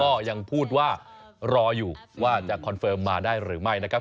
ก็ยังพูดว่ารออยู่ว่าจะคอนเฟิร์มมาได้หรือไม่นะครับ